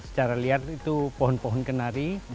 secara liar itu pohon pohon kenari